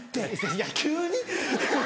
いや急に？